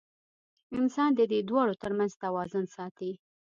انسان د دې دواړو تر منځ توازن ساتي.